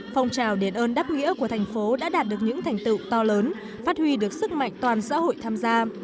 phong trào đền ơn đáp nghĩa của thành phố đã đạt được những thành tựu to lớn phát huy được sức mạnh toàn xã hội tham gia